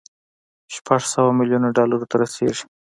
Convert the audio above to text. شپږ سوه ميليونه ډالر ته رسېږي.